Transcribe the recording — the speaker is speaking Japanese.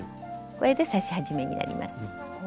これで刺し始めになります。